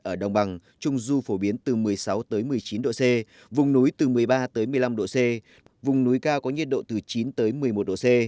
ở đồng bằng trung du phổ biến từ một mươi sáu một mươi chín độ c vùng núi từ một mươi ba một mươi năm độ c vùng núi cao có nhiệt độ từ chín tới một mươi một độ c